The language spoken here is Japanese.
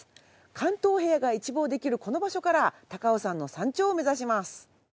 関東平野が一望できるこの場所から高尾山の山頂を目指します。